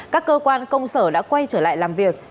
các cơ quan công sở đã quay trở lại làm việc